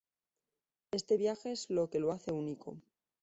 Este viaje es lo que lo hace único.